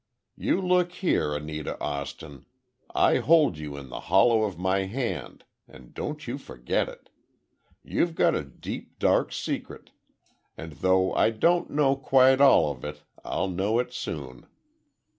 You look here, Anita Austin, I hold you in the hollow of my hand, and don't you forget it! You've got a deep dark secret—and though I don't know quite all of it—I'll know it soon.